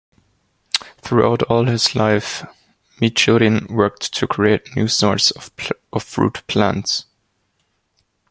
Throughout all his life, Michurin worked to create new sorts of fruit plants.